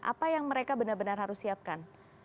apa yang mereka benar benar harus siapkan